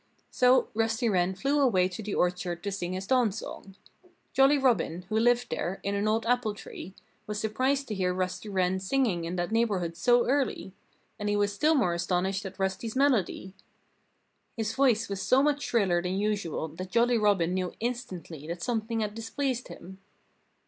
So Rusty Wren flew away to the orchard to sing his dawn song. Jolly Robin, who lived there, in an old apple tree, was surprised to hear Rusty Wren singing in that neighborhood so early. And he was still more astonished at Rusty's melody. His voice was so much shriller than usual that Jolly Robin knew instantly that something had displeased him.